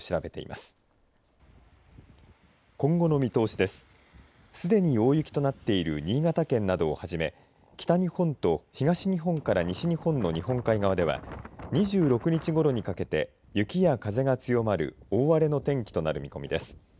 すでに大雪となっている新潟県などをはじめ北日本と東日本から西日本の日本海側では２６日ごろにかけて雪や風が強まる大荒れの天気となる見込みです。